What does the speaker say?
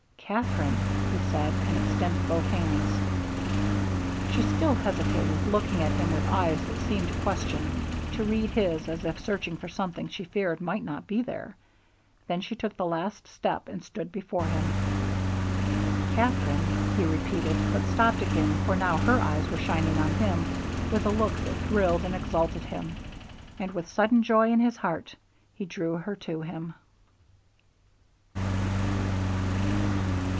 "Katherine," he said, and extended both hands. She still hesitated, looking at him with eyes that seemed to question, to read his as if searching for something she feared might not be there; then she took the last step and stood before him. "Katherine," he repeated, but stopped again, for now her eyes were shining on him with a look that thrilled and exalted him, and with sudden joy in his heart he drew her to him.